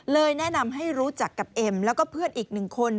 แนะนำให้รู้จักกับเอ็มแล้วก็เพื่อนอีกหนึ่งคน